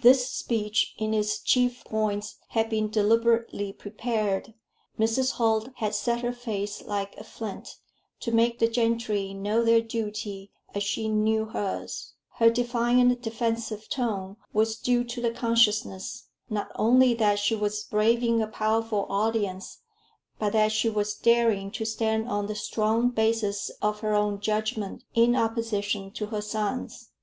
This speech, in its chief points, had been deliberately prepared. Mrs. Holt had set her face like a flint, to make the gentry know their duty as she knew hers: her defiant defensive tone was due to the consciousness, not only that she was braving a powerful audience, but that she was daring to stand on the strong basis of her own judgment in opposition to her son's.